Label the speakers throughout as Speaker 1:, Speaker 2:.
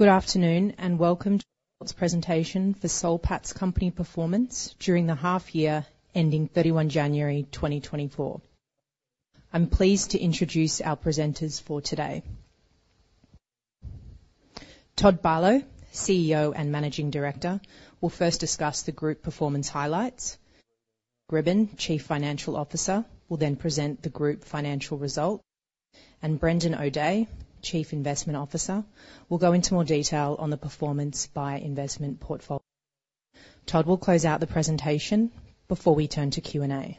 Speaker 1: Good afternoon, and welcome to Soul's presentation for Soul Patts company performance during the half year ending 31 January 2024. I'm pleased to introduce our presenters for today. Todd Barlow, CEO and Managing Director, will first discuss the group performance highlights. David Grbin, Chief Financial Officer, will then present the group financial result, and Brendan O'Dea, Chief Investment Officer, will go into more detail on the performance by investment portfolio. Todd will close out the presentation before we turn to Q&A.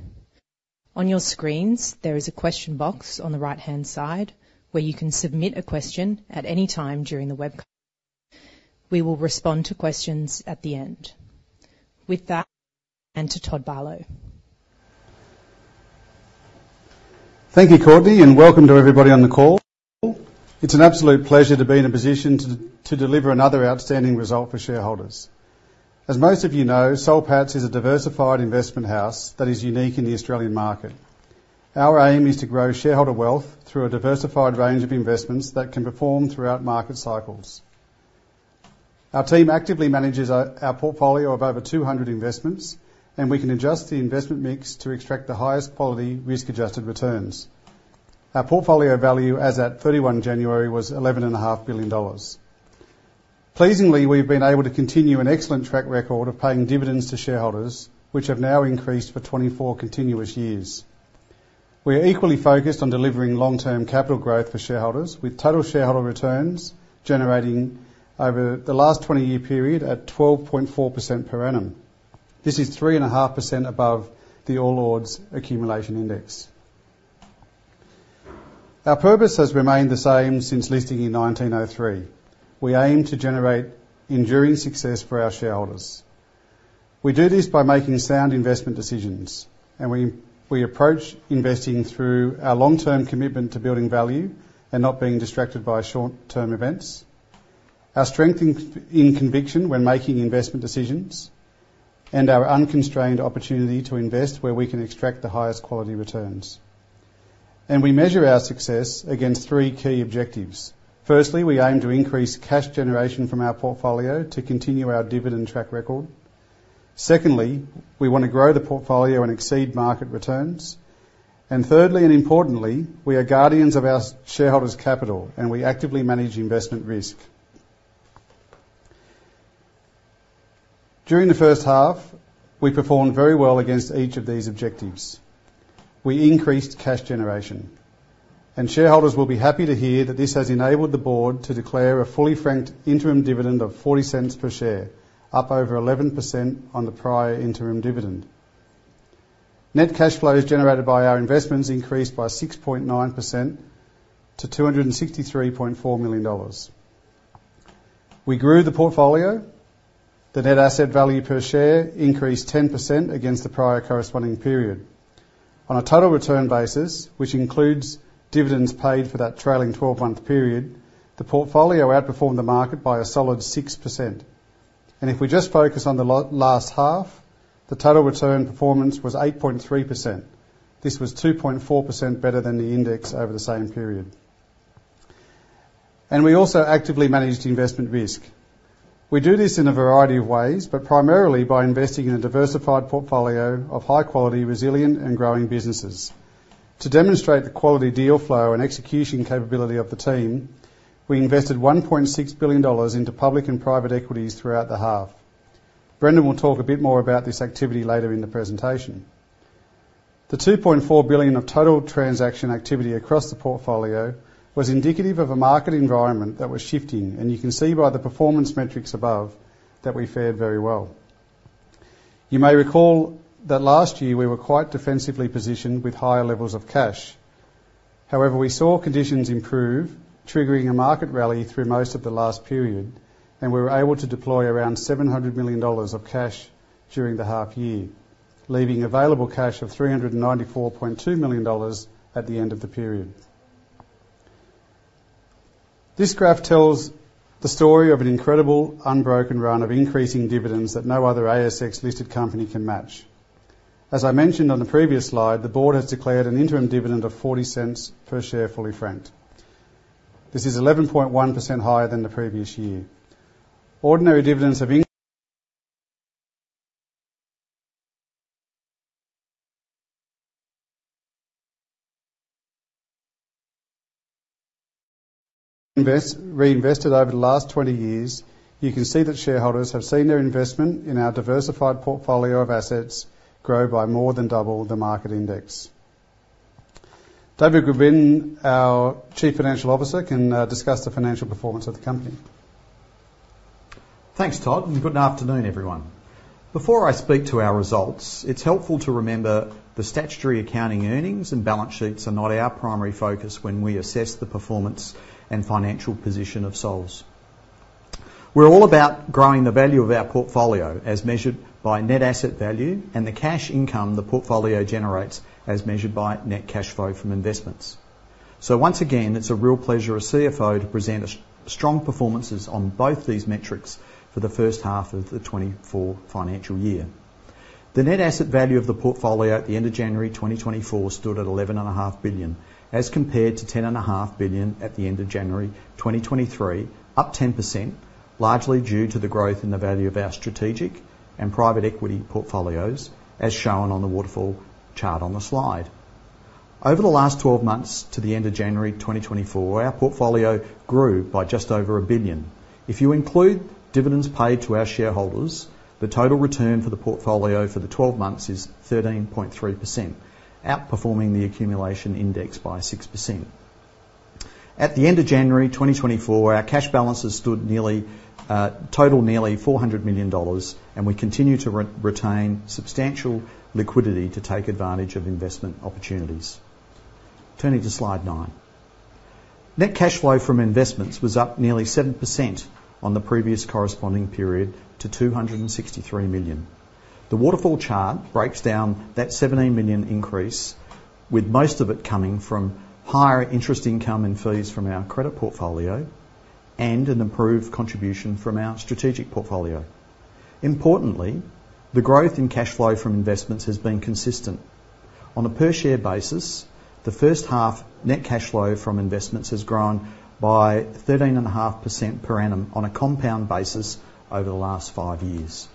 Speaker 1: On your screens, there is a question box on the right-hand side, where you can submit a question at any time during the webinar. We will respond to questions at the end. With that, hand to Todd Barlow.
Speaker 2: Thank you, Courtney, and welcome to everybody on the call. It's an absolute pleasure to be in a position to deliver another outstanding result for shareholders. As most of you know, Soul Patts is a diversified investment house that is unique in the Australian market. Our aim is to grow shareholder wealth through a diversified range of investments that can perform throughout market cycles. Our team actively manages our portfolio of over 200 investments, and we can adjust the investment mix to extract the highest quality risk-adjusted returns. Our portfolio value as at 31 January was $11.5 billion. Pleasingly, we've been able to continue an excellent track record of paying dividends to shareholders, which have now increased for 24 continuous years. We are equally focused on delivering long-term capital growth for shareholders, with total shareholder returns generating over the last twenty-year period at 12.4% per annum. This is 3.5% above the All Ords Accumulation Index. Our purpose has remained the same since listing in 1903. We aim to generate enduring success for our shareholders. We do this by making sound investment decisions, and we approach investing through our long-term commitment to building value and not being distracted by short-term events, our strength in conviction when making investment decisions, and our unconstrained opportunity to invest where we can extract the highest quality returns. We measure our success against three key objectives. Firstly, we aim to increase cash generation from our portfolio to continue our dividend track record. Secondly, we want to grow the portfolio and exceed market returns. And thirdly, and importantly, we are guardians of our shareholders' capital, and we actively manage investment risk. During the first half, we performed very well against each of these objectives. We increased cash generation, and shareholders will be happy to hear that this has enabled the board to declare a fully franked interim dividend of $0.40 per share, up over 11% on the prior interim dividend. Net cash flows generated by our investments increased by 6.9% to $263.4 million. We grew the portfolio. The net asset value per share increased 10% against the prior corresponding period. On a total return basis, which includes dividends paid for that trailing 12 month period, the portfolio outperformed the market by a solid 6%. And if we just focus on the last half, the total return performance was 8.3%. This was 2.4% better than the index over the same period. We also actively managed investment risk. We do this in a variety of ways, but primarily by investing in a diversified portfolio of high-quality, resilient and growing businesses. To demonstrate the quality, deal flow, and execution capability of the team, we invested $1.6 billion into public and private equities throughout the half. Brendan will talk a bit more about this activity later in the presentation. The $2.4 billion of total transaction activity across the portfolio was indicative of a market environment that was shifting, and you can see by the performance metrics above that we fared very well. You may recall that last year we were quite defensively positioned with higher levels of cash. However, we saw conditions improve, triggering a market rally through most of the last period, and we were able to deploy around $700 million of cash during the half year, leaving available cash of $394.2 million at the end of the period. This graph tells the story of an incredible unbroken run of increasing dividends that no other ASX-listed company can match. As I mentioned on the previous slide, the board has declared an interim dividend of $0.40 per share, fully franked. This is 11.1% higher than the previous year. Ordinary dividends have increased, reinvested over the last 20 years. You can see that shareholders have seen their investment in our diversified portfolio of assets grow by more than double the market index. David Grbin, our Chief Financial Officer, can discuss the financial performance of the company.
Speaker 3: Thanks, Todd, and good afternoon, everyone. Before I speak to our results, it's helpful to remember the statutory accounting earnings and balance sheets are not our primary focus when we assess the performance and financial position of Soul's. We're all about growing the value of our portfolio, as measured by net asset value and the cash income the portfolio generates, as measured by net cash flow from investments. So once again, it's a real pleasure as CFO to present a strong performances on both these metrics for the first half of the 2024 financial year. The net asset value of the portfolio at the end of January 2024 stood at $11.5 billion, as compared to $10.5 billion at the end of January 2023, up 10%, largely due to the growth in the value of our strategic and private equity portfolios, as shown on the waterfall chart on the slide. Over the last 12 months to the end of January 2024, our portfolio grew by just over $1 billion. If you include dividends paid to our shareholders, the total return for the portfolio for the 12 months is 13.3%, outperforming the accumulation index by 6%. At the end of January 2024, our cash balances stood nearly, total nearly $400 million, and we continue to retain substantial liquidity to take advantage of investment opportunities. Turning to slide nine. Net cash flow from investments was up nearly 7% on the previous corresponding period to $263 million. The waterfall chart breaks down that $17 million increase, with most of it coming from higher interest income and fees from our credit portfolio and an improved contribution from our Strategic Portfolio. Importantly, the growth in cash flow from investments has been consistent. On a per share basis, the first half net cash flow from investments has grown by 13.5% per annum on a compound basis over the last 5 years.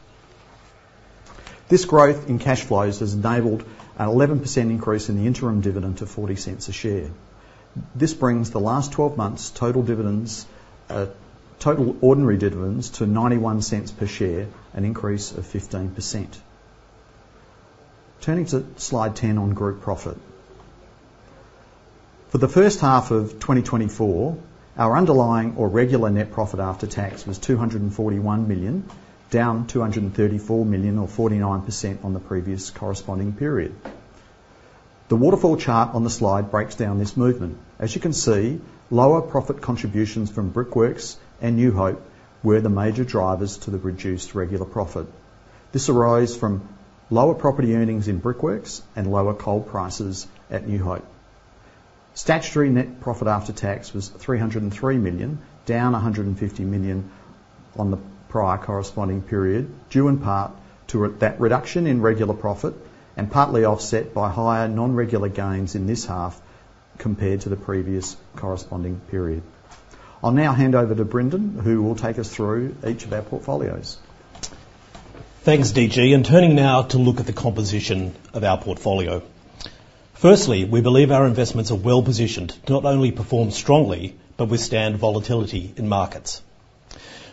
Speaker 3: This growth in cash flows has enabled an 11% increase in the interim dividend to $0.40 per share. This brings the last 12 months total dividends, total ordinary dividends to $0.91 per share, an increase of 15%. Turning to Slide 10 on group profit. For the first half of 2024, our underlying or regular net profit after tax was $241 million, down $234 million or 49% on the previous corresponding period. The waterfall chart on the slide breaks down this movement. As you can see, lower profit contributions from Brickworks and New Hope were the major drivers to the reduced regular profit. This arose from lower property earnings in Brickworks and lower coal prices at New Hope. Statutory net profit after tax was $303 million, down $150 million on the prior corresponding period, due in part to that reduction in regular profit and partly offset by higher non-regular gains in this half compared to the previous corresponding period. I'll now hand over to Brendan, who will take us through each of our portfolios.
Speaker 4: Thanks, DG, and turning now to look at the composition of our portfolio. Firstly, we believe our investments are well-positioned to not only perform strongly, but withstand volatility in markets.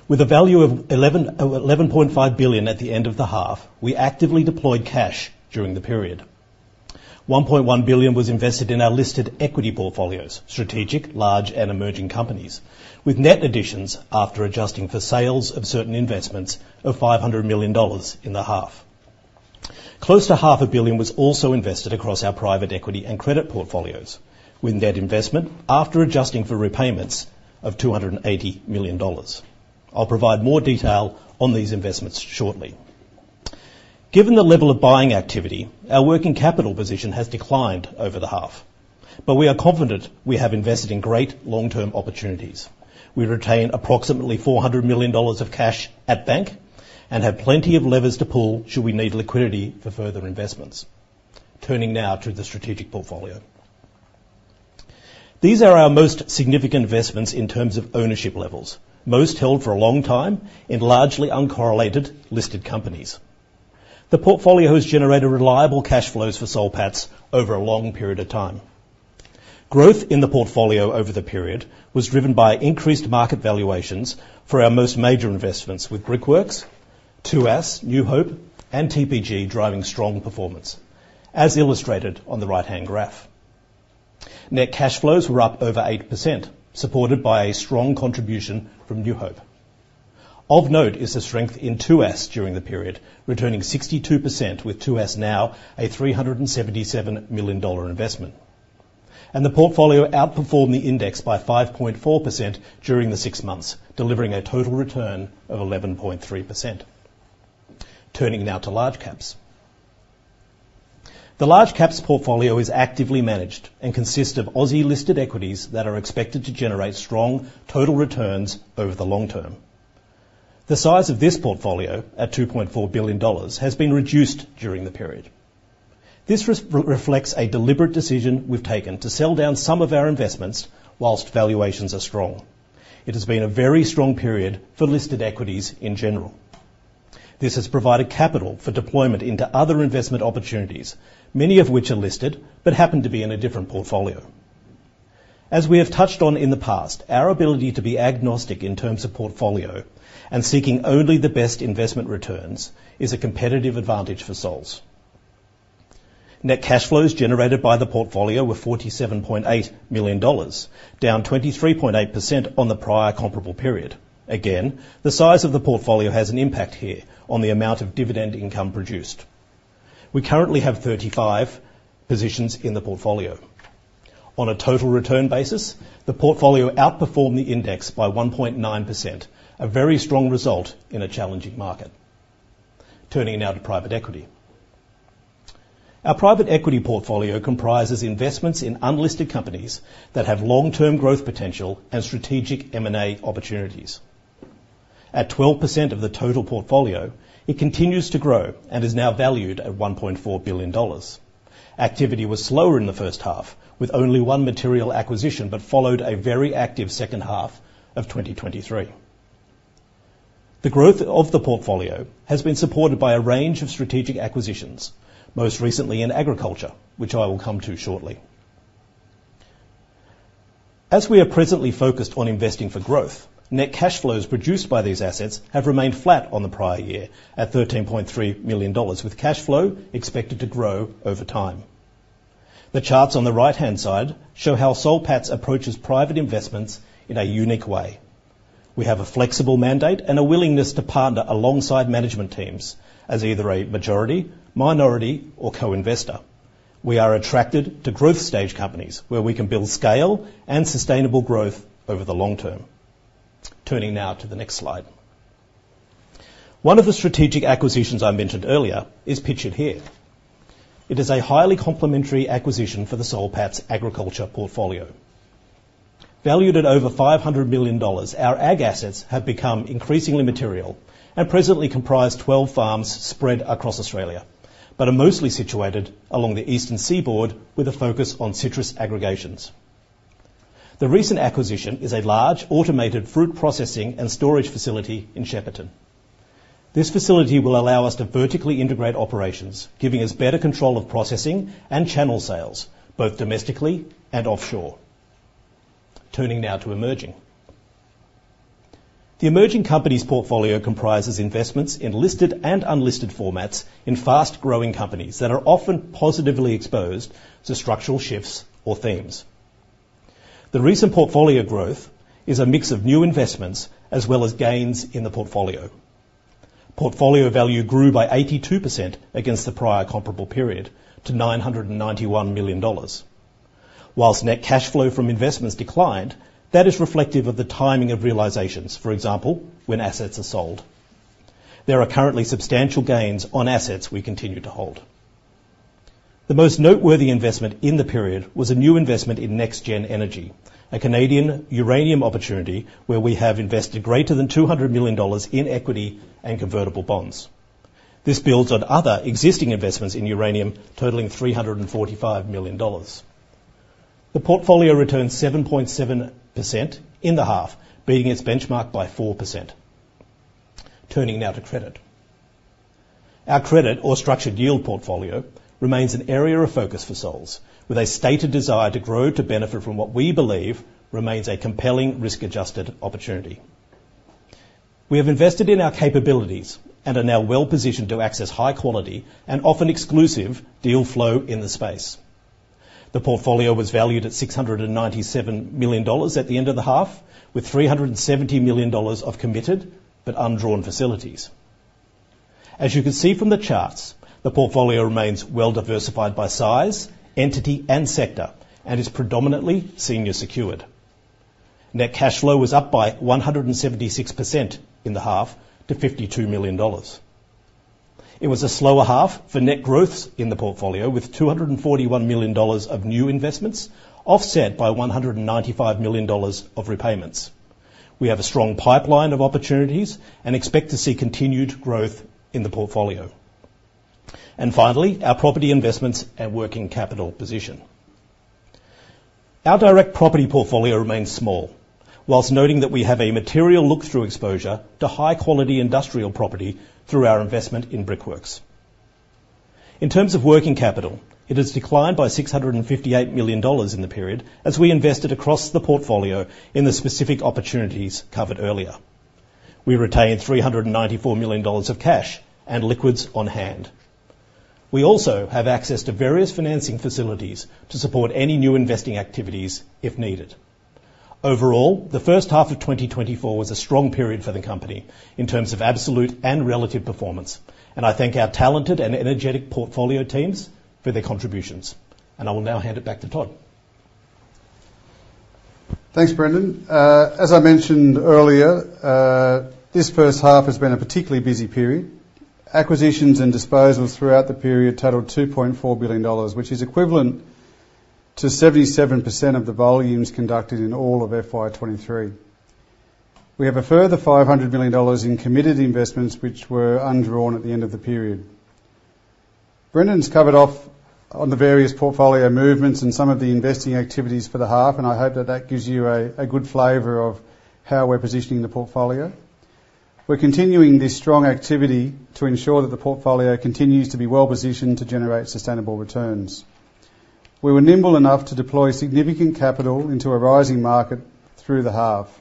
Speaker 4: With a value of $11.5 billion at the end of the half, we actively deployed cash during the period. $1.1 billion was invested in our listed equity portfolios, strategic, large, and emerging companies, with net additions after adjusting for sales of certain investments of $500 million in the half. Close to $500 million was also invested across our private equity and credit portfolios, with net investment after adjusting for repayments of $280 million. I'll provide more detail on these investments shortly. Given the level of buying activity, our working capital position has declined over the half, but we are confident we have invested in great long-term opportunities. We retain approximately $400 million of cash at bank and have plenty of levers to pull should we need liquidity for further investments. Turning now to the Strategic Portfolio. These are our most significant investments in terms of ownership levels, most held for a long time in largely uncorrelated listed companies. The portfolio has generated reliable cash flows for Soul Patts over a long period of time. Growth in the portfolio over the period was driven by increased market valuations for our most major investments, with Brickworks, Tuas, New Hope, and TPG driving strong performance, as illustrated on the right-hand graph. Net cash flows were up over 8%, supported by a strong contribution from New Hope. Of note is the strength in Tuas during the period, returning 62%, with Tuas now a $377 million investment, and the portfolio outperformed the index by 5.4% during the six months, delivering a total return of 11.3%. Turning now to large caps. The Large Caps Portfolio is actively managed and consists of Aussie-listed equities that are expected to generate strong total returns over the long term. The size of this portfolio, at $2.4 billion, has been reduced during the period. This reflects a deliberate decision we've taken to sell down some of our investments while valuations are strong. It has been a very strong period for listed equities in general. This has provided capital for deployment into other investment opportunities, many of which are listed but happen to be in a different portfolio. As we have touched on in the past, our ability to be agnostic in terms of portfolio and seeking only the best investment returns is a competitive advantage for Soul's. Net cash flows generated by the portfolio were $47.8 million, down 23.8% on the prior comparable period. Again, the size of the portfolio has an impact here on the amount of dividend income produced. We currently have 35 positions in the portfolio. On a total return basis, the portfolio outperformed the index by 1.9%, a very strong result in a challenging market. Turning now to private equity. Our Private Equity Portfolio comprises investments in unlisted companies that have long-term growth potential and strategic M&A opportunities. At 12% of the total portfolio, it continues to grow and is now valued at $1.4 billion. Activity was slower in the first half, with only one material acquisition, but followed a very active second half of 2023. The growth of the portfolio has been supported by a range of strategic acquisitions, most recently in agriculture, which I will come to shortly. As we are presently focused on investing for growth, net cash flows produced by these assets have remained flat on the prior year, at $13.3 million, with cash flow expected to grow over time. The charts on the right-hand side show how Soul Patts approaches private investments in a unique way. We have a flexible mandate and a willingness to partner alongside management teams as either a majority, minority, or co-investor. We are attracted to growth stage companies, where we can build scale and sustainable growth over the long term. Turning now to the next slide. One of the strategic acquisitions I mentioned earlier is pictured here. It is a highly complementary acquisition for the Soul Patts Agriculture Portfolio. Valued at over $500 million, our ag assets have become increasingly material and presently comprise 12 farms spread across Australia, but are mostly situated along the Eastern Seaboard with a focus on citrus aggregations. The recent acquisition is a large, automated fruit processing and storage facility in Shepparton. This facility will allow us to vertically integrate operations, giving us better control of processing and channel sales, both domestically and offshore. Turning now to emerging. The Emerging Companies Portfolio comprises investments in listed and unlisted formats in fast-growing companies that are often positively exposed to structural shifts or themes. The recent portfolio growth is a mix of new investments as well as gains in the portfolio. Portfolio value grew by 82% against the prior comparable period to $991 million. While net cash flow from investments declined, that is reflective of the timing of realizations, for example, when assets are sold. There are currently substantial gains on assets we continue to hold. The most noteworthy investment in the period was a new investment in NexGen Energy, a Canadian uranium opportunity where we have invested greater than $200 million in equity and convertible bonds. This builds on other existing investments in uranium, totaling $345 million. The portfolio returned 7.7% in the half, beating its benchmark by 4%. Turning now to credit. Our credit or Structured Yield Portfolio remains an area of focus for Soul's, with a stated desire to grow to benefit from what we believe remains a compelling, risk-adjusted opportunity. We have invested in our capabilities and are now well positioned to access high quality and often exclusive deal flow in the space. The portfolio was valued at $697 million at the end of the half, with $370 million of committed but undrawn facilities. As you can see from the charts, the portfolio remains well diversified by size, entity, and sector, and is predominantly senior secured. Net cash flow was up by 176% in the half to $52 million. It was a slower half for net growth in the portfolio, with $241 million of new investments, offset by $195 million of repayments. We have a strong pipeline of opportunities and expect to see continued growth in the portfolio. And finally, our property investments and working capital position. Our direct property portfolio remains small, while noting that we have a material look-through exposure to high-quality industrial property through our investment in Brickworks. In terms of working capital, it has declined by $658 million in the period as we invested across the portfolio in the specific opportunities covered earlier. We retained $394 million of cash and liquids on hand. We also have access to various financing facilities to support any new investing activities if needed. Overall, the first half of 2024 was a strong period for the company in terms of absolute and relative performance, and I thank our talented and energetic portfolio teams for their contributions. I will now hand it back to Todd.
Speaker 2: Thanks, Brendan. As I mentioned earlier, this first half has been a particularly busy period. Acquisitions and disposals throughout the period totaled $2.4 billion, which is equivalent to 77% of the volumes conducted in all of FY 2023. We have a further $500 million in committed investments, which were undrawn at the end of the period. Brendan's covered off on the various portfolio movements and some of the investing activities for the half, and I hope that that gives you a, a good flavor of how we're positioning the portfolio. We're continuing this strong activity to ensure that the portfolio continues to be well positioned to generate sustainable returns. We were nimble enough to deploy significant capital into a rising market through the half,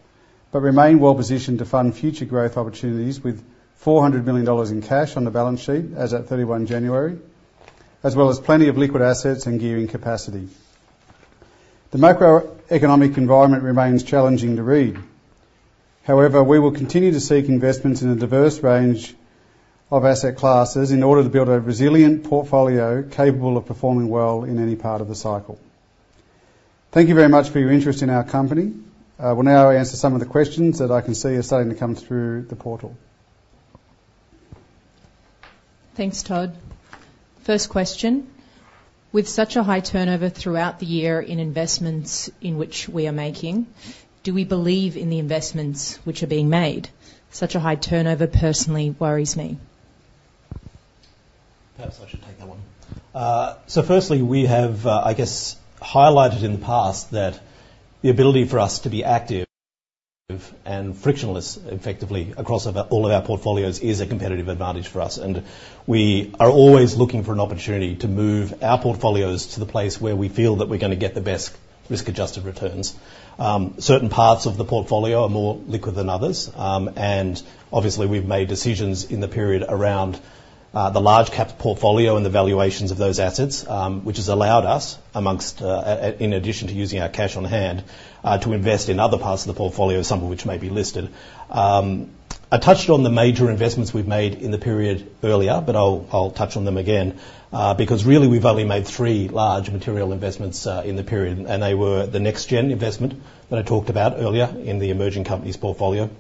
Speaker 2: but remain well positioned to fund future growth opportunities with $400 million in cash on the balance sheet, as at 31 January, as well as plenty of liquid assets and gearing capacity. The macroeconomic environment remains challenging to read. However, we will continue to seek investments in a diverse range of asset classes in order to build a resilient portfolio capable of performing well in any part of the cycle. Thank you very much for your interest in our company. We'll now answer some of the questions that I can see are starting to come through the portal.
Speaker 1: Thanks, Todd. First question: With such a high turnover throughout the year in investments in which we are making, do we believe in the investments which are being made? Such a high turnover personally worries me.
Speaker 4: Perhaps I should take that one. So firstly, we have, I guess, highlighted in the past that the ability for us to be active and frictionless, effectively, across all of our portfolios is a competitive advantage for us, and we are always looking for an opportunity to move our portfolios to the place where we feel that we're gonna get the best risk-adjusted returns. Certain parts of the portfolio are more liquid than others. And obviously, we've made decisions in the period around the large cap portfolio and the valuations of those assets, which has allowed us, amongst, in addition to using our cash on hand, to invest in other parts of the portfolio, some of which may be listed. I touched on the major investments we've made in the period earlier, but I'll, I'll touch on them again. Because really, we've only made three large material investments, in the period, and they were the NexGen investment that I talked about earlier in the emerging companies portfolio,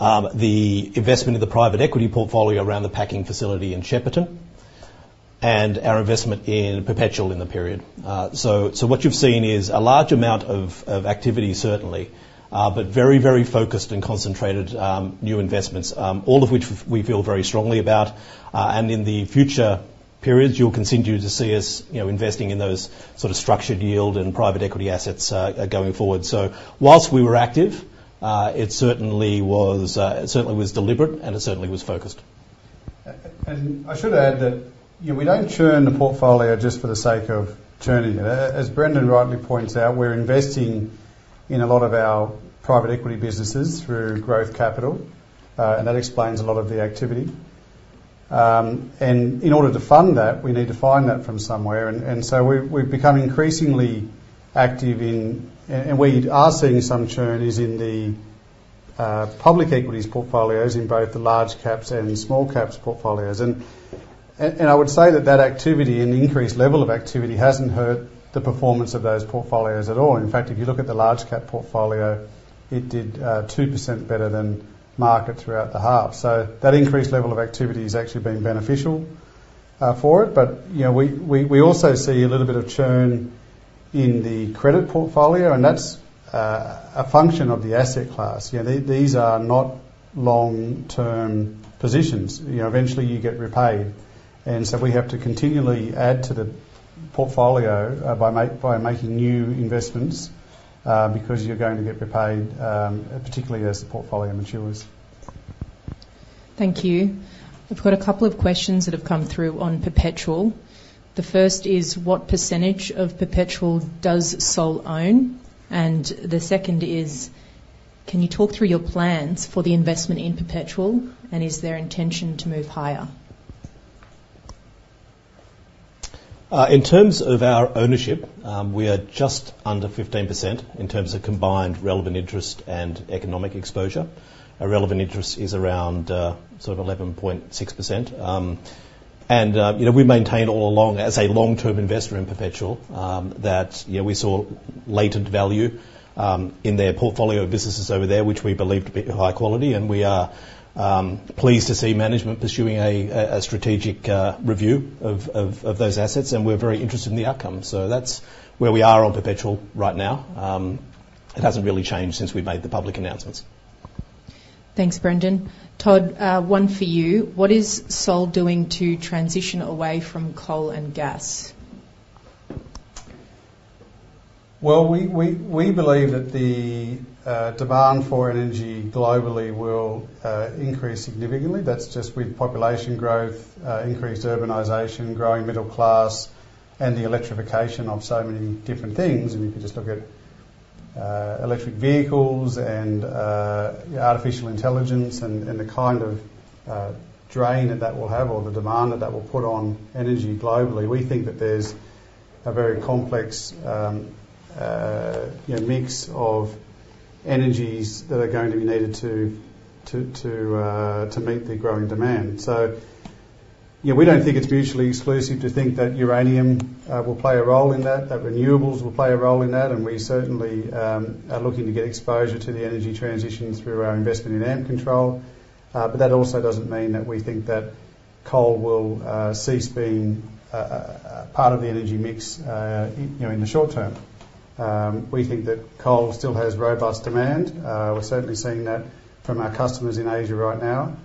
Speaker 4: the investment in the private equity portfolio around the packing facility in Shepparton, and our investment in Perpetual in the period. So, so what you've seen is a large amount of, of activity, certainly, but very, very focused and concentrated, new investments. All of which we feel very strongly about, and in the future periods, you'll continue to see us, you know, investing in those sort of structured yield and private equity assets, going forward. So while we were active, it certainly was, it certainly was deliberate, and it certainly was focused.
Speaker 2: And I should add that, you know, we don't churn the portfolio just for the sake of churning it. As Brendan rightly points out, we're investing in a lot of our private equity businesses through growth capital, and that explains a lot of the activity. And in order to fund that, we need to find that from somewhere, and so we've become increasingly active in... And where you are seeing some churn is in the public equities portfolios in both the large caps and the small caps portfolios. And I would say that that activity and the increased level of activity hasn't hurt the performance of those portfolios at all. In fact, if you look at the large cap portfolio, it did 2% better than market throughout the half. So that increased level of activity has actually been beneficial for it. But, you know, we also see a little bit of churn in the credit portfolio, and that's a function of the asset class. You know, these are not long-term positions. You know, eventually, you get repaid, and so we have to continually add to the portfolio by making new investments because you're going to get repaid, particularly as the portfolio matures.
Speaker 1: Thank you. We've got a couple of questions that have come through on Perpetual. The first is: What percentage of Perpetual does Soul own? And the second is: Can you talk through your plans for the investment in Perpetual, and is there intention to move higher?
Speaker 4: In terms of our ownership, we are just under 15% in terms of combined relevant interest and economic exposure. Our relevant interest is around, sort of 11.6%. And you know, we've maintained all along, as a long-term investor in Perpetual, that, you know, we saw latent value in their portfolio of businesses over there, which we believe to be high quality, and we are pleased to see management pursuing a strategic review of those assets, and we're very interested in the outcome. So that's where we are on Perpetual right now. It hasn't really changed since we made the public announcements.
Speaker 1: Thanks, Brendan. Todd, one for you: What is Soul doing to transition away from coal and gas?
Speaker 2: Well, we believe that the demand for energy globally will increase significantly. That's just with population growth, increased urbanization, growing middle class, and the electrification of so many different things. I mean, you can just look at electric vehicles and artificial intelligence and the kind of drain that that will have or the demand that that will put on energy globally. We think that there's a very complex, you know, mix of energies that are going to be needed to meet the growing demand. So, you know, we don't think it's mutually exclusive to think that uranium will play a role in that, that renewables will play a role in that, and we certainly are looking to get exposure to the energy transitions through our investment in Ampcontrol. But that also doesn't mean that we think that coal will cease being a part of the energy mix, you know, in the short term. We think that coal still has robust demand. We're certainly seeing that from our customers in Asia right now.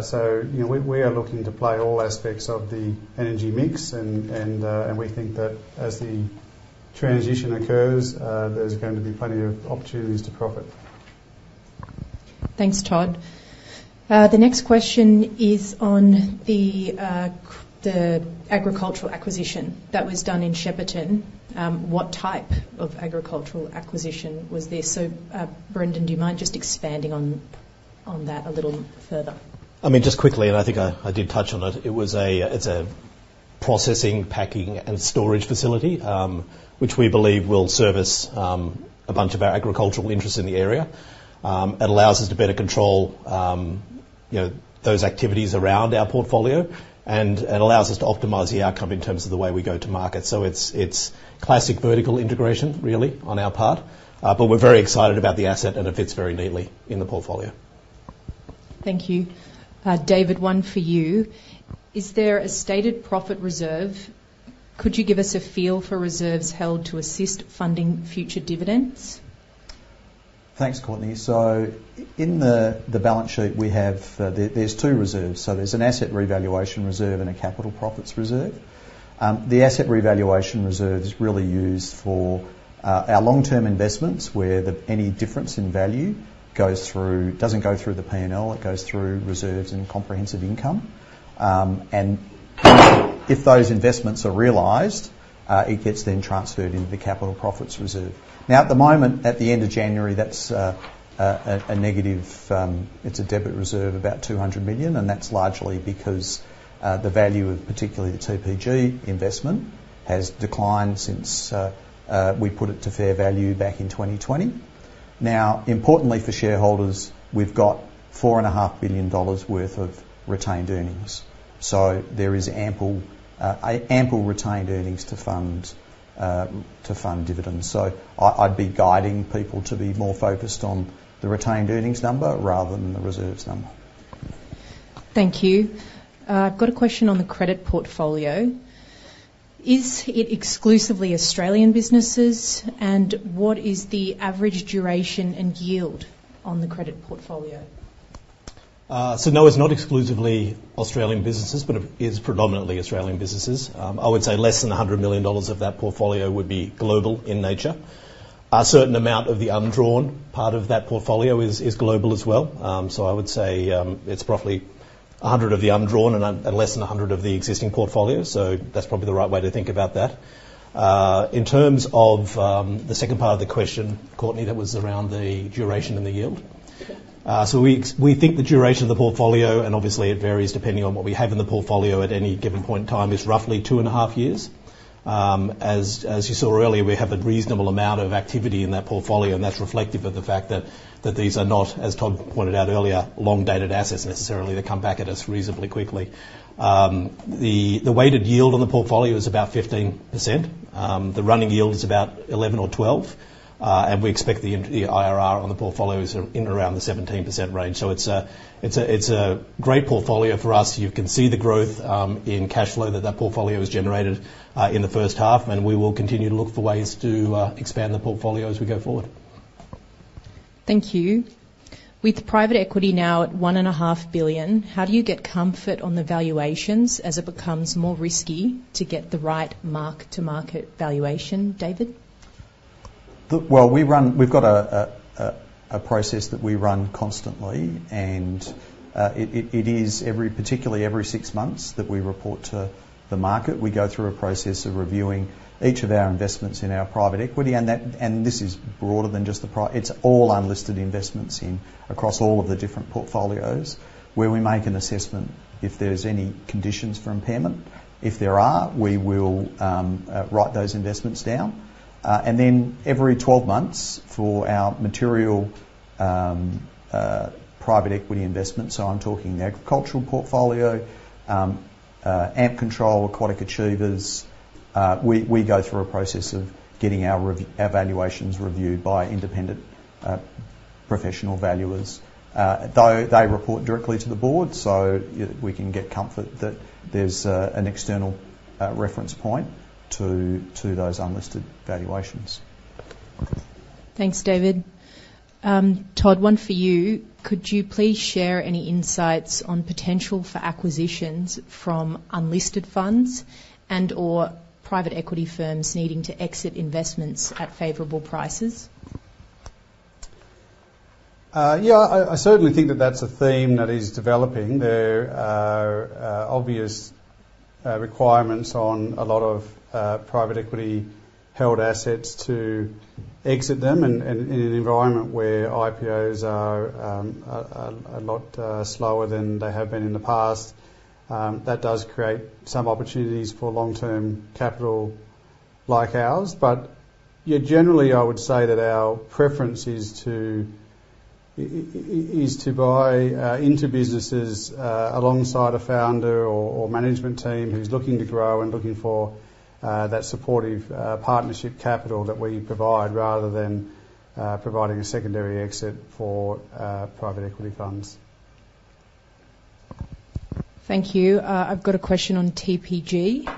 Speaker 2: So, you know, we are looking to play all aspects of the energy mix, and we think that as the transition occurs, there's going to be plenty of opportunities to profit.
Speaker 1: Thanks, Todd. The next question is on the agricultural acquisition that was done in Shepparton. What type of agricultural acquisition was this? So, Brendan, do you mind just expanding on that a little further?
Speaker 4: I mean, just quickly, and I think I, I did touch on it. It was a, It's a processing, packing, and storage facility, which we believe will service a bunch of our agricultural interests in the area. It allows us to better control you know, those activities around our portfolio, and it allows us to optimize the outcome in terms of the way we go to market. So it's, it's classic vertical integration, really, on our part, but we're very excited about the asset, and it fits very neatly in the portfolio.
Speaker 1: Thank you. David, one for you. Is there a stated profit reserve? Could you give us a feel for reserves held to assist funding future dividends?
Speaker 3: Thanks, Courtney. So in the balance sheet, we have, there's two reserves. So there's an asset revaluation reserve and a capital profits reserve. The asset revaluation reserve is really used for our long-term investments, where any difference in value goes through, doesn't go through the P&L, it goes through reserves and comprehensive income. And if those investments are realized, it gets then transferred into the capital profits reserve. Now, at the moment, at the end of January, that's a negative, it's a debit reserve, about $200 million, and that's largely because the value of particularly the TPG investment has declined since we put it to fair value back in 2020. Now, importantly for shareholders, we've got $4.5 billion worth of retained earnings, so there is ample retained earnings to fund dividends. So I, I'd be guiding people to be more focused on the retained earnings number rather than the reserves number.
Speaker 1: Thank you. I've got a question on the credit portfolio. Is it exclusively Australian businesses, and what is the average duration and yield on the credit portfolio?
Speaker 4: So no, it's not exclusively Australian businesses, but it is predominantly Australian businesses. I would say less than $100 million of that portfolio would be global in nature. A certain amount of the undrawn part of that portfolio is global as well. So I would say, it's roughly $100 million of the undrawn and less than $100 million of the existing portfolio, so that's probably the right way to think about that. In terms of, the second part of the question, Courtney, that was around the duration and the yield?
Speaker 1: Yes.
Speaker 4: So we think the duration of the portfolio, and obviously it varies depending on what we have in the portfolio at any given point in time, is roughly two and a half years. As you saw earlier, we have a reasonable amount of activity in that portfolio, and that's reflective of the fact that these are not, as Todd pointed out earlier, long-dated assets necessarily. They come back at us reasonably quickly. The weighted yield on the portfolio is about 15%. The running yield is about 11 or 12, and we expect the IRR on the portfolio is in around the 17% range. So it's a great portfolio for us. You can see the growth in cash flow that that portfolio has generated in the first half, and we will continue to look for ways to expand the portfolio as we go forward.
Speaker 1: Thank you. With private equity now at $1.5 billion, how do you get comfort on the valuations as it becomes more risky to get the right mark to market valuation, David?
Speaker 3: Look, well, we run. We've got a process that we run constantly, and it is every, particularly every six months, that we report to the market. We go through a process of reviewing each of our investments in our private equity, and this is broader than just the private equity, it's all unlisted investments across all of the different portfolios, where we make an assessment if there's any conditions for impairment. If there are, we will write those investments down. And then every 12 months for our material private equity investments, so I'm talking the agricultural portfolio, Ampcontrol, Aquatic Achievers, we go through a process of getting our valuations reviewed by independent professional valuers. They, they report directly to the board, so we can get comfort that there's a, an external, reference point to, to those unlisted valuations.
Speaker 1: Thanks, David. Todd, one for you. Could you please share any insights on potential for acquisitions from unlisted funds and/or private equity firms needing to exit investments at favorable prices?
Speaker 2: Yeah, I certainly think that that's a theme that is developing. There are obvious requirements on a lot of private equity-held assets to exit them, and in an environment where IPOs are a lot slower than they have been in the past, that does create some opportunities for long-term capital like ours. But, yeah, generally, I would say that our preference is to buy into businesses alongside a founder or management team who's looking to grow and looking for that supportive partnership capital that we provide, rather than providing a secondary exit for private equity funds.
Speaker 1: Thank you. I've got a question on TPG.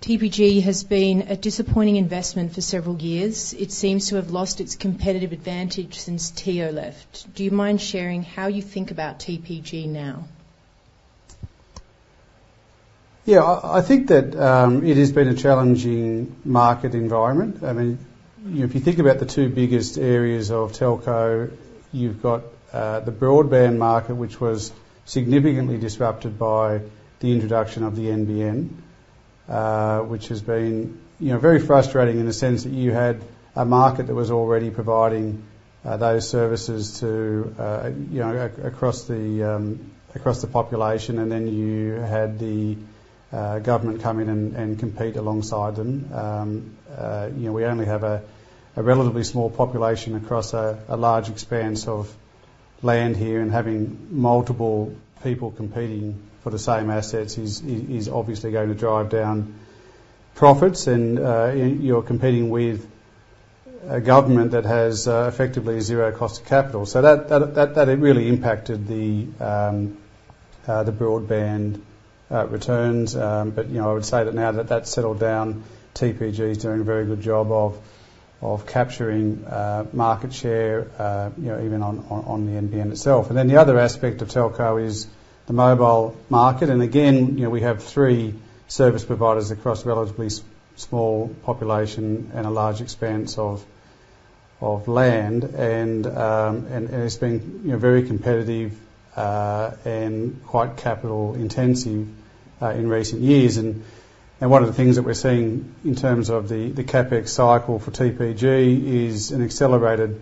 Speaker 1: TPG has been a disappointing investment for several years. It seems to have lost its competitive advantage since Teoh left. Do you mind sharing how you think about TPG now?
Speaker 2: Yeah, I think that it has been a challenging market environment. I mean, if you think about the two biggest areas of telco, you've got the broadband market, which was significantly disrupted by the introduction of the NBN, which has been, you know, very frustrating in the sense that you had a market that was already providing those services to, you know, across the population, and then you had government come in and compete alongside them. You know, we only have a relatively small population across a large expanse of land here, and having multiple people competing for the same assets is obviously going to drive down profits. And you're competing with a government that has effectively zero cost of capital. So that really impacted the broadband returns. But, you know, I would say that now that that's settled down, TPG is doing a very good job of capturing market share, you know, even on the NBN itself. And then the other aspect of telco is the mobile market. And again, you know, we have three service providers across a relatively small population and a large expanse of land. And it's been, you know, very competitive and quite capital intensive in recent years. And one of the things that we're seeing in terms of the CapEx cycle for TPG is an accelerated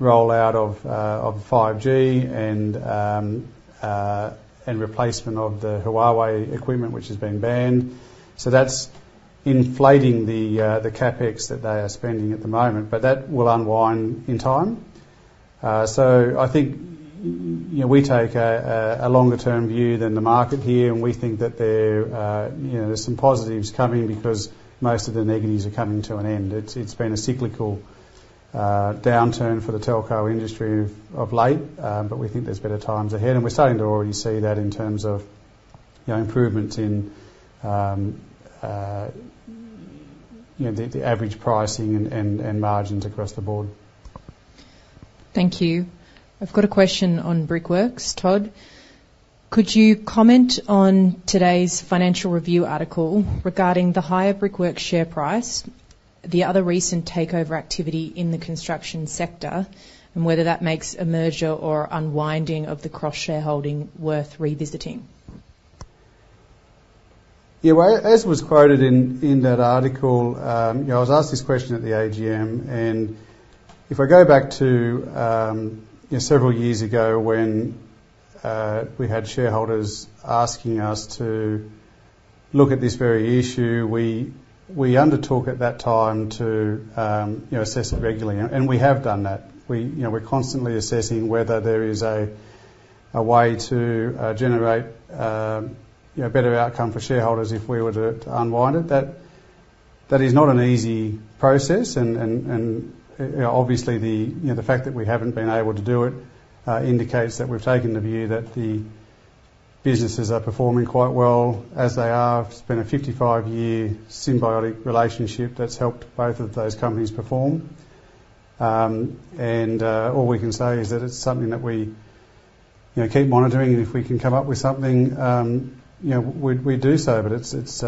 Speaker 2: rollout of 5G and replacement of the Huawei equipment, which has been banned. So that's inflating the, the CapEx that they are spending at the moment, but that will unwind in time. So I think, you know, we take a longer term view than the market here, and we think that there, you know, there's some positives coming because most of the negatives are coming to an end. It's been a cyclical, downturn for the telco industry of late, but we think there's better times ahead, and we're starting to already see that in terms of, you know, improvement in, you know, the, the average pricing and margins across the board.
Speaker 1: Thank you. I've got a question on Brickworks, Todd. Could you comment on today's Financial Review article regarding the higher Brickworks share price, the other recent takeover activity in the construction sector, and whether that makes a merger or unwinding of the cross-shareholding worth revisiting?
Speaker 2: Yeah, well, as was quoted in that article, you know, I was asked this question at the AGM, and if I go back to, you know, several years ago when we had shareholders asking us to look at this very issue, we, we undertook at that time to, you know, assess it regularly, and we have done that. We, you know, we're constantly assessing whether there is a way to generate, you know, a better outcome for shareholders if we were to, to unwind it. That, that is not an easy process, and, and, you know, obviously, the, you know, the fact that we haven't been able to do it indicates that we've taken the view that the businesses are performing quite well as they are. It's been a 55-year symbiotic relationship that's helped both of those companies perform. All we can say is that it's something that we, you know, keep monitoring, and if we can come up with something, you know, we'd, we do so. But it's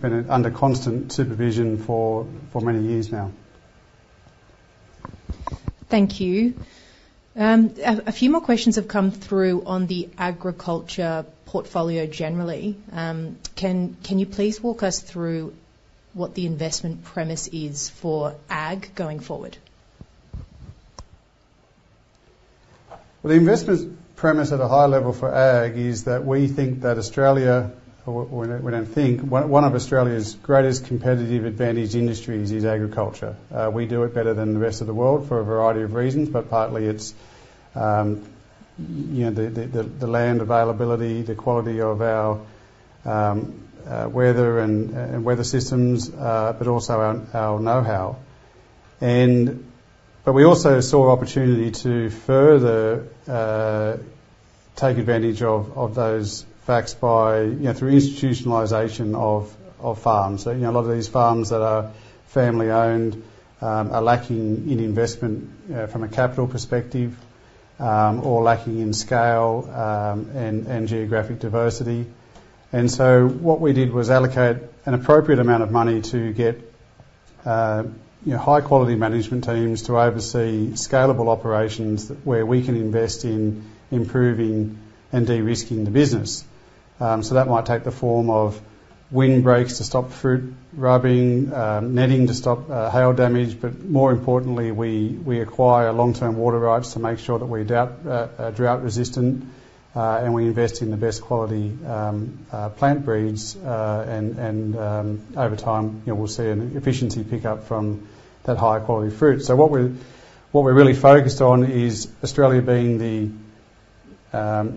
Speaker 2: been under constant supervision for many years now.
Speaker 1: Thank you. A few more questions have come through on the agriculture portfolio generally. Can you please walk us through what the investment premise is for ag going forward?
Speaker 2: Well, the investment premise at a high level for ag is that we think that one of Australia's greatest competitive advantage industries is agriculture. We do it better than the rest of the world for a variety of reasons, but partly it's you know, the land availability, the quality of our weather and weather systems, but also our know-how. And but we also saw opportunity to further take advantage of those facts by, you know, through institutionalization of farms. So, you know, a lot of these farms that are family-owned are lacking in investment from a capital perspective, or lacking in scale, and geographic diversity. And so what we did was allocate an appropriate amount of money to get, you know, high-quality management teams to oversee scalable operations, where we can invest in improving and de-risking the business. So that might take the form of windbreaks to stop fruit rubbing, netting to stop hail damage, but more importantly, we acquire long-term water rights to make sure that we're drought resistant, and we invest in the best quality plant breeds. And over time, you know, we'll see an efficiency pick up from that high-quality fruit. So what we're really focused on is Australia being the,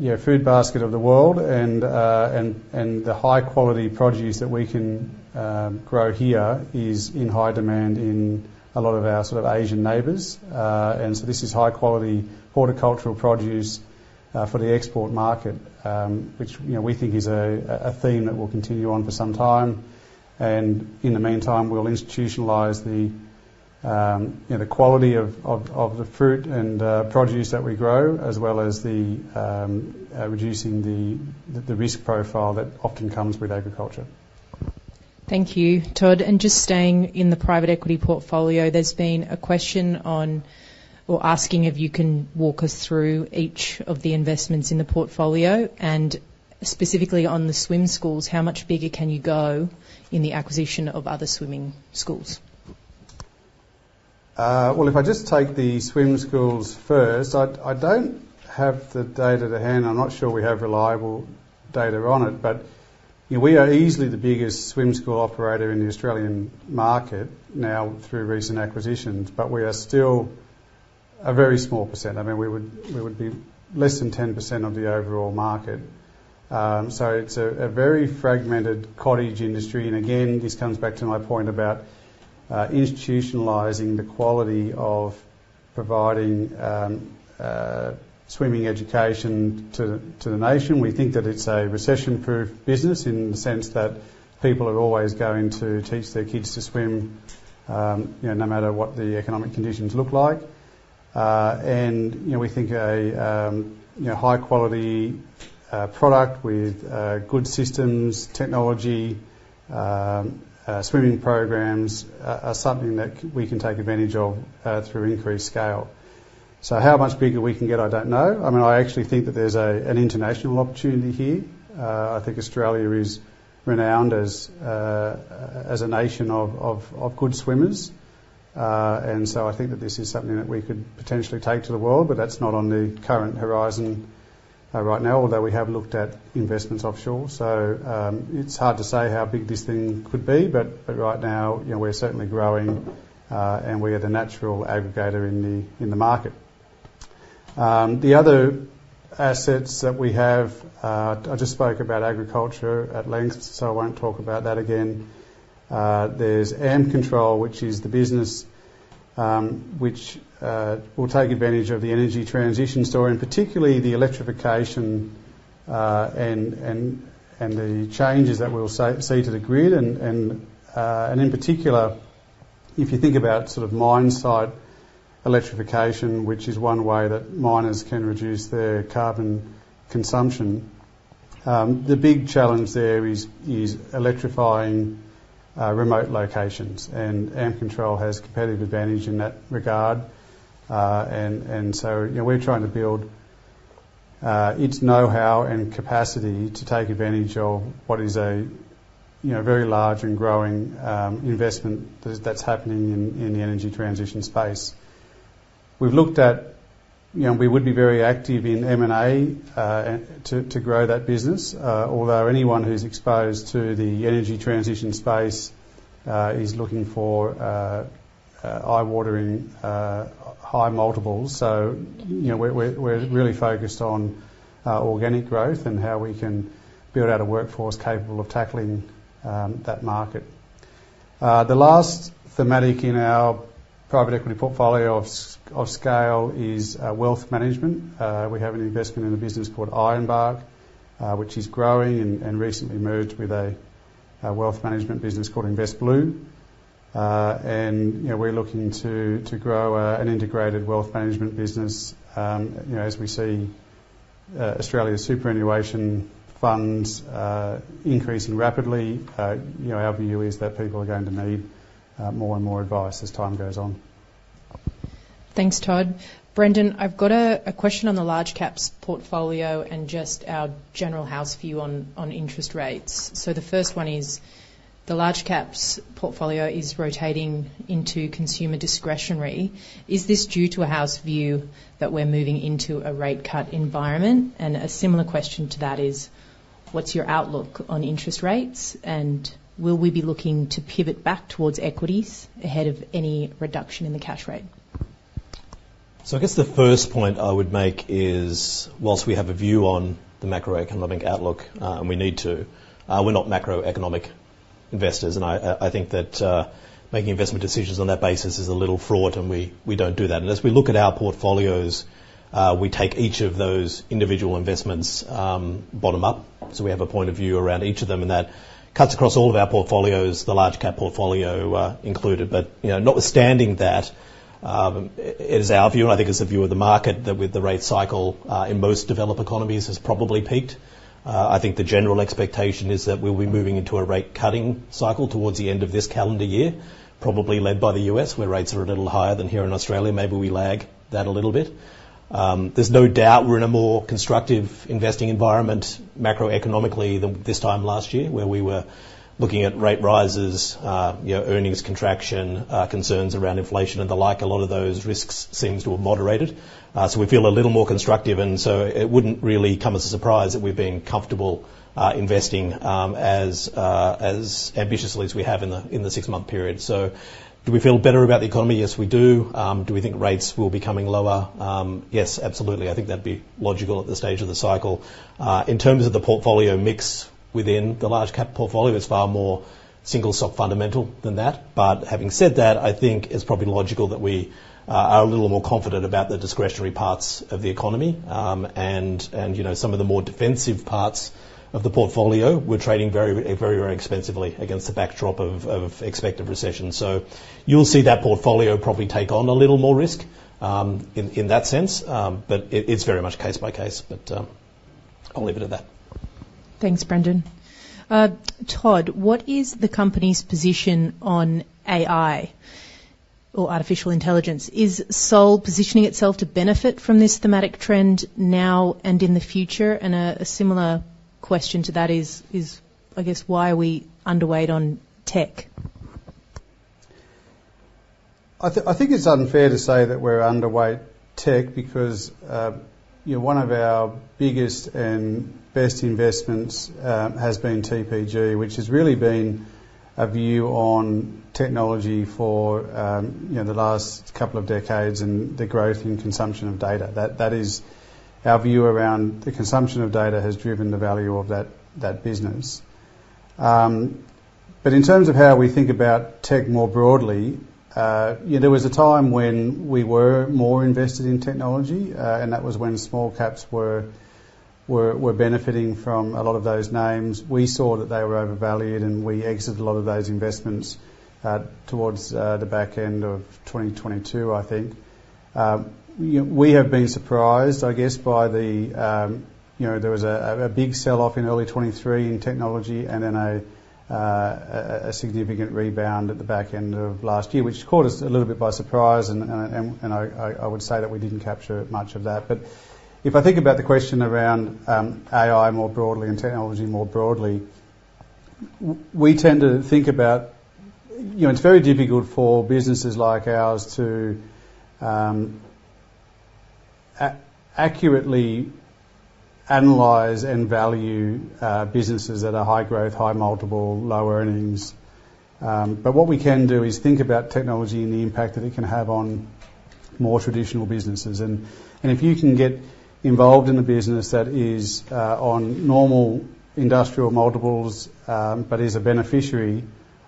Speaker 2: you know, food basket of the world and the high-quality produce that we can grow here is in high demand in a lot of our sort of Asian neighbors. And so this is high-quality horticultural produce for the export market, which, you know, we think is a theme that will continue on for some time. In the meantime, we'll institutionalize the, you know, the quality of the fruit and produce that we grow, as well as reducing the risk profile that often comes with agriculture.
Speaker 1: Thank you, Todd. Just staying in the private equity portfolio, there's been a question on... or asking if you can walk us through each of the investments in the portfolio, and specifically on the swim schools, how much bigger can you go in the acquisition of other swimming schools?...
Speaker 2: Well, if I just take the swim schools first, I, I don't have the data to hand. I'm not sure we have reliable data on it, but, you know, we are easily the biggest swim school operator in the Australian market now through recent acquisitions. But we are still a very small percent. I mean, we would, we would be less than 10% of the overall market. So it's a very fragmented cottage industry, and again, this comes back to my point about institutionalizing the quality of providing swimming education to the nation. We think that it's a recession-proof business in the sense that people are always going to teach their kids to swim, you know, no matter what the economic conditions look like. And, you know, we think, you know, high-quality product with good systems, technology, swimming programs are something that we can take advantage of through increased scale. So how much bigger we can get, I don't know. I mean, I actually think that there's an international opportunity here. I think Australia is renowned as a nation of good swimmers. And so I think that this is something that we could potentially take to the world, but that's not on the current horizon right now, although we have looked at investments offshore. So, it's hard to say how big this thing could be, but right now, you know, we're certainly growing, and we are the natural aggregator in the market. The other assets that we have, I just spoke about agriculture at length, so I won't talk about that again. There's Ampcontrol, which is the business, which will take advantage of the energy transition story, and particularly the electrification, and the changes that we'll see to the grid. And in particular, if you think about sort of mine site electrification, which is one way that miners can reduce their carbon consumption, the big challenge there is electrifying remote locations, and Ampcontrol has competitive advantage in that regard. And so, you know, we're trying to build its know-how and capacity to take advantage of what is a, you know, very large and growing investment that's happening in the energy transition space. We've looked at... You know, we would be very active in M&A to grow that business. Although anyone who's exposed to the energy transition space is looking for eye-watering high multiples. So, you know, we're really focused on organic growth and how we can build out a workforce capable of tackling that market. The last thematic in our private equity portfolio of scale is wealth management. We have an investment in a business called Ironbark, which is growing and recently merged with a wealth management business called Invest Blue. And, you know, we're looking to grow an integrated wealth management business. You know, as we see, Australia's superannuation funds increasing rapidly, you know, our view is that people are going to need more and more advice as time goes on.
Speaker 1: Thanks, Todd. Brendan, I've got a question on the large caps portfolio and just our general house view on interest rates. So the first one is, the large caps portfolio is rotating into consumer discretionary. Is this due to a house view that we're moving into a rate cut environment? And a similar question to that is, what's your outlook on interest rates, and will we be looking to pivot back towards equities ahead of any reduction in the cash rate?
Speaker 4: So I guess the first point I would make is, while we have a view on the macroeconomic outlook, we're not macroeconomic investors, and I think that making investment decisions on that basis is a little fraught, and we don't do that. And as we look at our portfolios, we take each of those individual investments, bottom up. So we have a point of view around each of them, and that cuts across all of our portfolios, the large cap portfolio, included. But, you know, notwithstanding that, it is our view, and I think it's the view of the market, that with the rate cycle in most developed economies, has probably peaked. I think the general expectation is that we'll be moving into a rate cutting cycle towards the end of this calendar year, probably led by the U.S., where rates are a little higher than here in Australia. Maybe we lag that a little bit. There's no doubt we're in a more constructive investing environment macroeconomically than this time last year, where we were looking at rate rises, you know, earnings contraction, concerns around inflation and the like. A lot of those risks seems to have moderated. So we feel a little more constructive, and so it wouldn't really come as a surprise that we've been comfortable investing as ambitiously as we have in the six-month period. So do we feel better about the economy? Yes, we do. Do we think rates will be coming lower? Yes, absolutely. I think that'd be logical at this stage of the cycle. In terms of the portfolio mix within the large cap portfolio, it's far more single stock fundamental than that. But having said that, I think it's probably logical that we are a little more confident about the discretionary parts of the economy. And you know, some of the more defensive parts of the portfolio, we're trading very, very, very expensively against the backdrop of expected recession. So you'll see that portfolio probably take on a little more risk in that sense. But it's very much case by case. But I'll leave it at that.
Speaker 1: Thanks, Brendan. Todd, what is the company's position on AI or artificial intelligence? Is Soul positioning itself to benefit from this thematic trend now and in the future? And a similar question to that is, I guess, why are we underweight on tech?
Speaker 2: I think it's unfair to say that we're underweight tech because, you know, one of our biggest and best investments has been TPG, which has really been a view on technology for, you know, the last couple of decades, and the growth in consumption of data. That is our view around the consumption of data has driven the value of that business. But in terms of how we think about tech more broadly, there was a time when we were more invested in technology, and that was when small caps were benefiting from a lot of those names. We saw that they were overvalued, and we exited a lot of those investments towards the back end of 2022, I think. You know, we have been surprised, I guess, by the, you know, there was a big sell-off in early 2023 in technology, and then a significant rebound at the back end of last year, which caught us a little bit by surprise. I would say that we didn't capture much of that. But if I think about the question around AI more broadly and technology more broadly, we tend to think about... You know, it's very difficult for businesses like ours to accurately analyze and value businesses that are high growth, high multiple, low earnings. But what we can do is think about technology and the impact that it can have on more traditional businesses. If you can get involved in a business that is on normal industrial multiples, but is a beneficiary